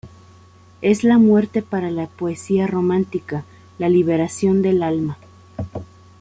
Es la muerte para la poesía romántica, la liberación del alma.